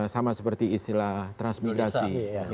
sama seperti istilah transmigrasi